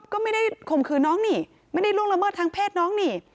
ก็ไม่ได้ข่มขืนน้องนี่ไม่ได้ล่วงละเมิดทางเพศน้องนี่